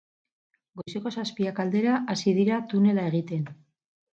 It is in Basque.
Goizeko zazpiak aldera hasi dira tunela egiten.